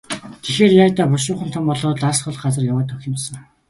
Тэгэхээр яая даа, бушуухан том болоод л алс хол газар яваад өгөх юм сан.